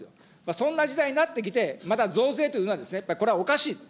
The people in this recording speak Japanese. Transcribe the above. そんな時代になってきて、また増税というのはこれ、おかしい。